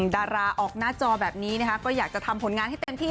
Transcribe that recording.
ดาราออกหน้าจอแบบนี้นะคะก็อยากจะทำผลงานให้เต็มที่